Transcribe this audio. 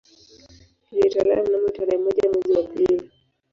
Ilitolewa mnamo tarehe moja mwezi wa pili